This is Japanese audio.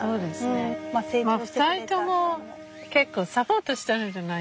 まあ２人とも結構サポートしてるじゃない。